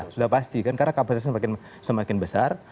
sudah pasti kan karena kapasitasnya semakin besar